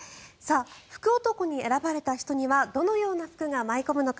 福男に選ばれた人にはどのような福が舞い込むのか